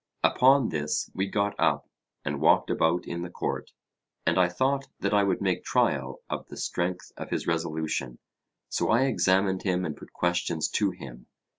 Upon this we got up and walked about in the court, and I thought that I would make trial of the strength of his resolution. So I examined him and put questions to him.